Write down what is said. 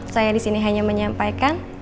saya disini hanya menyampaikan